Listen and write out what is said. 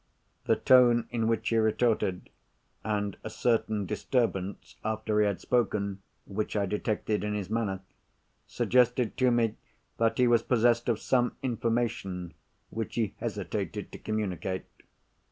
The tone in which he retorted, and a certain disturbance, after he had spoken, which I detected in his manner, suggested to me that he was possessed of some information which he hesitated to communicate.